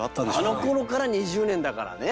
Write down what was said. あの頃から２０年だからね。